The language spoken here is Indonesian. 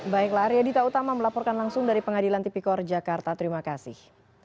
baiklah arya dita utama melaporkan langsung dari pengadilan tipikor jakarta terima kasih